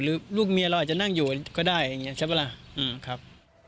ลูกเมียเราอาจจะนั่งอยู่ก็ได้อย่างนี้ใช่ปะล่ะครับ